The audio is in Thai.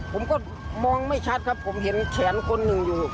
ผมก็มองไม่ชัดครับผมเห็นแขนคนหนึ่งอยู่